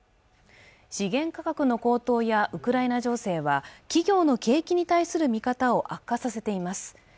資源価格の高騰やウクライナ情勢は企業の景気に対する見方を悪化させています